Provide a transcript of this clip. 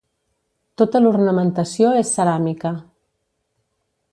Tota l'ornamentació és ceràmica.